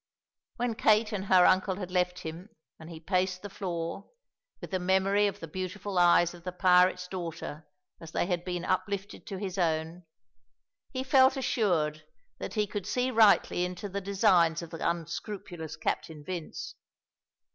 When Kate and her uncle had left him and he paced the floor, with the memory of the beautiful eyes of the pirate's daughter as they had been uplifted to his own, he felt assured that he could see rightly into the designs of the unscrupulous Captain Vince.